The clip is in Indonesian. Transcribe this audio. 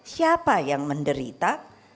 siapa yang menderita